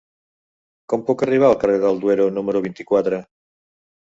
Com puc arribar al carrer del Duero número vint-i-quatre?